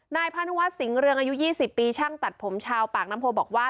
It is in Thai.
นายพานุวัฒนสิงห์เรืองอายุ๒๐ปีช่างตัดผมชาวปากน้ำโพบอกว่า